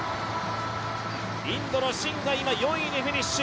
インドのシンが今、４位でフィニッシュ。